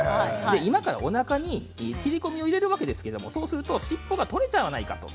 今からおなかに切り込みを入れるわけですけどそうすると尻尾が取れちゃうわないかと。